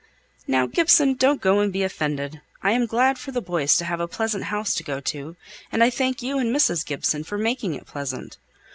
"Now, Gibson, don't go and be offended. I'm glad for the boys to have a pleasant house to go to, and I thank you and Mrs. Gibson for making it pleasant.